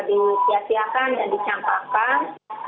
disiasiakan dan dicampakkan